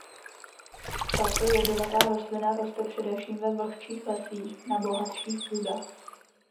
Tato jedovatá rostlina roste především ve vlhčích lesích na bohatších půdách.